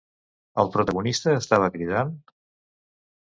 El protagonista estava cridant?